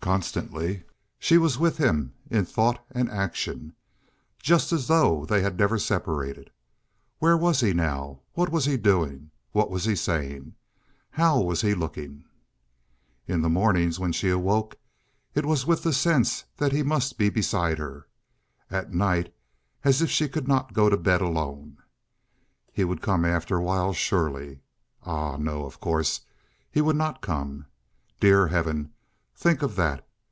Constantly she was with him in thought and action, just as though they had never separated. Where was he now? What was he doing? What was he saying? How was he looking? In the mornings when she woke it was with the sense that he must be beside her. At night as if she could not go to bed alone. He would come after a while surely—ah, no, of course he would not come. Dear heaven, think of that!